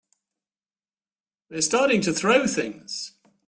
They're starting to throw things!